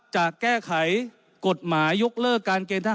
จะแก้ไขกฎหมายยกเลิกการเกณฑ์ทหาร